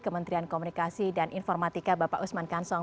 kementerian komunikasi dan informatika bapak usman kansong